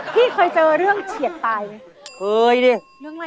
พี่เคยเจอเรื่องเกมรับจำนำ